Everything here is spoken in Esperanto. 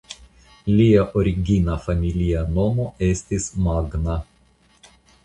Lia origina familia nomo estis "Magna".